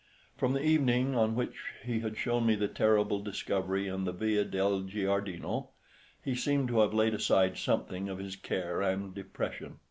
From the evening on which he had shown me the terrible discovery in the Via del Giardino he seemed to have laid aside something of his care and depression.